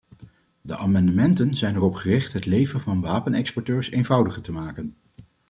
De amendementen zijn erop gericht het leven van wapenexporteurs eenvoudiger te maken.